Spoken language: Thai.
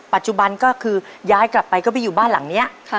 ปัจจุบันก็คือย้ายกลับไปก็ไปอยู่บ้านหลังนี้